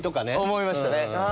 思いましたね。